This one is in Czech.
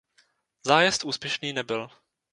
Zájezd úspěšný nebyl.